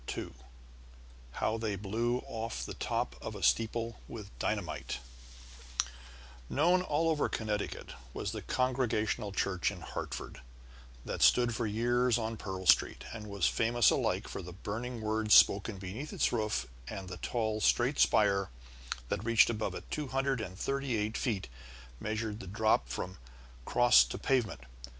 II HOW THEY BLEW OFF THE TOP OF A STEEPLE WITH DYNAMITE KNOWN over all Connecticut was the Congregational Church in Hartford, that stood for years on Pearl Street, and was famous alike for the burning words spoken beneath its roof, and the tall, straight spire that reached above it; two hundred and thirty eight feet measured the drop from cross to pavement.